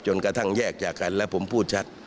กระทั่งแยกจากกันแล้วผมพูดชัด